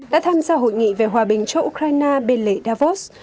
đã tham gia hội nghị về hòa bình cho ukraine bê lệ davos